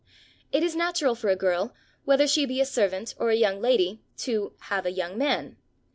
It is natural for a girl, whether she be a servant or a young lady, to "have a young man."